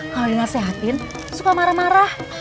kalau dinasehatin suka marah marah